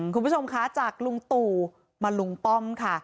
คุณผู้ชมคะจากลุงตู่มาลุงป้อมค่ะ